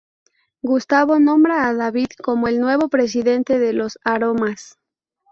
Gustavo nombra a David como el nuevo presidente de los Aromas.